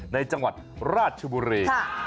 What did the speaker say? ในจังหวัดราชบุรี